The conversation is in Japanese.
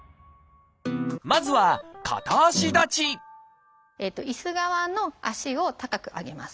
まずはいす側の足を高く上げます。